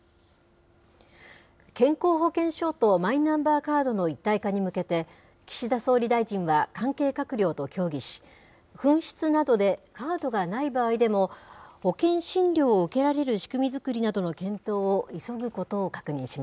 健康保険証とマイナンバーカードの一体化に向けて、岸田総理大臣は関係閣僚と協議し、紛失などでカードがない場合でも、保険診療を受けられる仕組み作りなどの検討を急ぐことを確認し